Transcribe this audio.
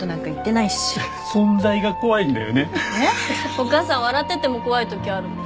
お母さん笑ってても怖いときあるもん。